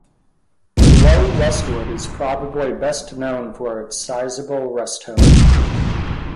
Low Westwood is probably best known for its sizeable rest home.